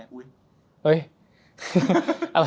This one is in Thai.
ใช่ไหมอุ๊ย